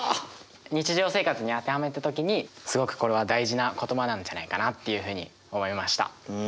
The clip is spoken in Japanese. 日常生活に当てはめた時にすごくこれは大事な言葉なんじゃないかなっていうふうに思いました。